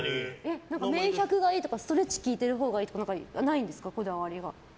綿１００がいいとかストレッチ利いてるほうがいいとかないんですか、こだわりは。